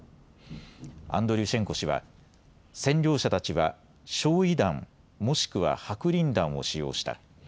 アンドリュシェンコ氏は占領者たちは焼い弾、もしくは白リン弾を使用した。